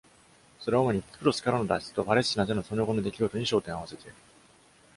それは主にキプロスからの脱出とパレスチナでのその後の出来事に焦点を合わせている。